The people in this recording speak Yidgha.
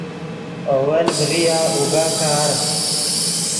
اول ڤریا اوگا کار